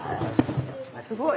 すごい。